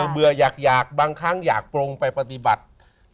เบื่ออยากบางครั้งอยากปรงไปปฏิบัติ